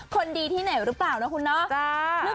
คนดีที่ไหนหรือเปล่านะคุณเนาะ